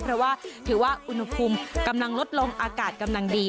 เพราะว่าถือว่าอุณหภูมิกำลังลดลงอากาศกำลังดี